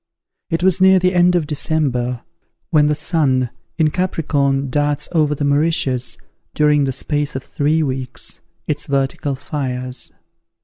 It was near the end of December, when the sun, in Capricorn, darts over the Mauritius, during the space of three weeks, its vertical fires.